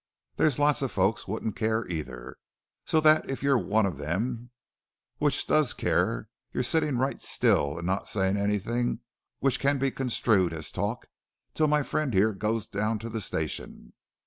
There's lots of folks wouldn't care either. So that if you're one of them which does care you're settin' right still an' not sayin' anything which can be construed as talk till my friend here goes down to the station."